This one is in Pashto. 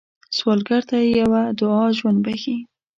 سوالګر ته یوه دعا ژوند بښي